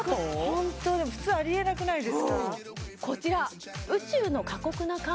ホントでも普通ありえなくないですか？